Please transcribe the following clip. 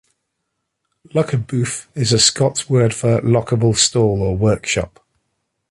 Luckenbooth is a Scots word for a lockable stall or workshop.